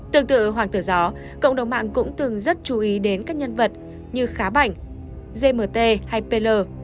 tương tự hoàng tử gió cộng đồng mạng cũng thường rất chú ý đến các nhân vật như khá bảnh gmt hay pl